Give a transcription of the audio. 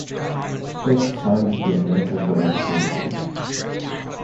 Fick signed with the Atlanta Braves for the season.